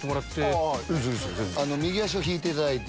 右脚を引いていただいて。